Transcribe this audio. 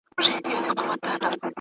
قصاص د بې ګناه خلګو ساتنه کوي.